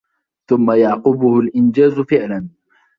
ثُمَّ يَعْقُبُهُ الْإِنْجَازُ فِعْلًا